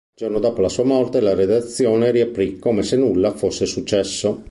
Il giorno dopo la sua morte la redazione riaprì come se nulla fosse successo.